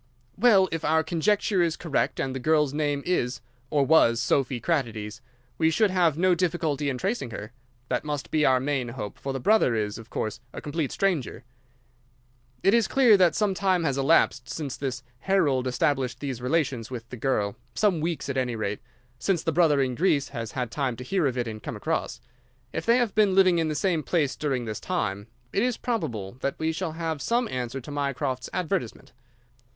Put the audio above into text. "Well, if our conjecture is correct and the girl's name is or was Sophy Kratides, we should have no difficulty in tracing her. That must be our main hope, for the brother is, of course, a complete stranger. It is clear that some time has elapsed since this Harold established these relations with the girl—some weeks, at any rate—since the brother in Greece has had time to hear of it and come across. If they have been living in the same place during this time, it is probable that we shall have some answer to Mycroft's advertisement."